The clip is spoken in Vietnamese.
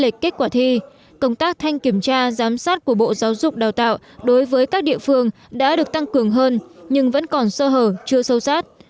các nhà giám sát của bộ giáo dục đào tạo đối với các địa phương đã được tăng cường hơn nhưng vẫn còn sơ hở chưa sâu sát